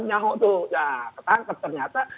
nyaho itu ya ketangkep ternyata